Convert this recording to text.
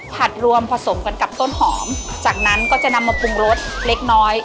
รวมผสมกันกับต้นหอมจากนั้นก็จะนำมาปรุงรสเล็กน้อย